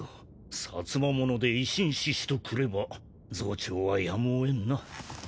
薩摩者で維新志士とくれば増長はやむを得んな。